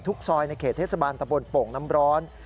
ซอยในเขตเทศบาลตะบนโป่งน้ำร้อน